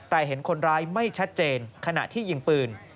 แต่เห็นคนร้ายไม่ชัดเจนขณะที่ยิงปืน